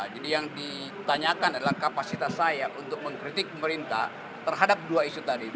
jadi yang ditanyakan adalah kapasitas saya untuk mengkritik pemerintah terhadap dua isu tadi ini